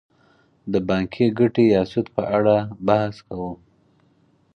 د بانکي ګټې یا سود په اړه بحث کوو